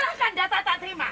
silakan data tak terima